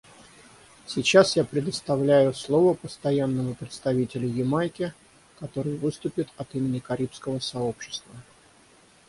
Сейчас я предоставляю слово Постоянному представителю Ямайки, который выступит от имени Карибского сообщества.